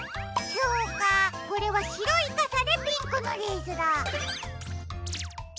そうかこれはしろいかさでピンクのレースだ。